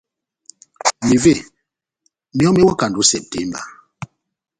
Mevé myɔ́ mewakandi ó Sepitemba.